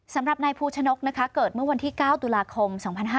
สำหรับนายภูชนกเกิดเมื่อวันที่๙ตุลาคม๒๕๕๙